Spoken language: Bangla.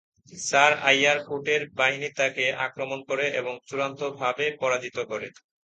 স্যার আইয়ার কোটের বাহিনী তাকে আক্রমণ করে এবং চূড়ান্তভাবে পরাজিত করে।